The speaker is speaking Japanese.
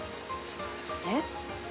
えっ？